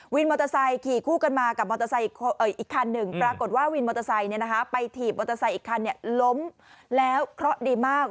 วินมอเตอร์ไซค์ขี่คู่กันมากับมอเตอร์ไซค์อีกคันหนึ่งปรากฏว่าวินมอเตอร์ไซค์ไปถีบมอเตอร์ไซค์อีกคันล้มแล้วเคราะห์ดีมาก